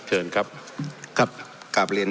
เชิญผู้แปรยติก็แปรยติ